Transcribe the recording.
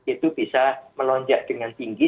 itu bisa melonjak dengan tinggi